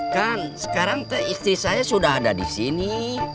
kan sekarang istri saya sudah ada di sini